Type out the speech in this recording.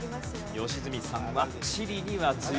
良純さんは地理には強い。